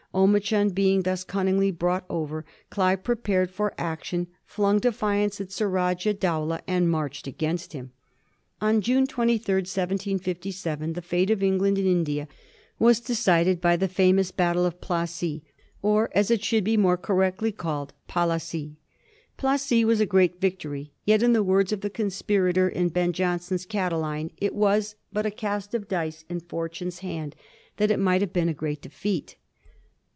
Omichund being thus cunningly bought over, Olive prepared for action, flung defiance at Surajah Dow lah, and marched against him. On June 23, 1757, the fate of England in India was decided by the famous bat tle of Plassey, or, as it should be more correctly called, Palasi. Plassey was a great victory. Yet, in the words of the conspirator in Ben Jonson's " Oatiline," it was but '^a cast at dice in Fortune's hand " that it might have been a great defeat.